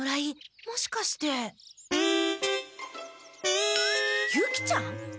もしかしてユキちゃん！？